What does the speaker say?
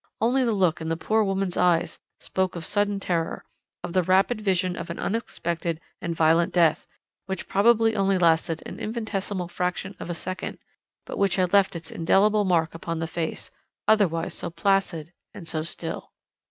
Only the look in the poor woman's eyes spoke of sudden terror, of the rapid vision of an unexpected and violent death, which probably only lasted an infinitesimal fraction of a second, but which had left its indelible mark upon the face, otherwise so placid and so still."